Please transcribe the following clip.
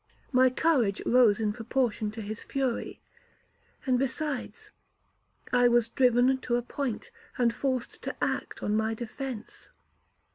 My courage rose in proportion to his fury; and besides, I was driven to a point, and forced to act on my defence.